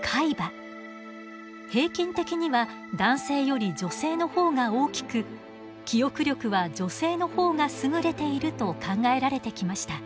平均的には男性より女性の方が大きく記憶力は女性の方が優れていると考えられてきました。